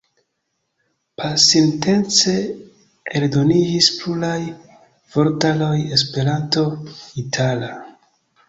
Pasintece eldoniĝis pluraj vortaroj Esperanto-itala.